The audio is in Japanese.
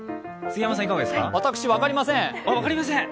私、分かりません。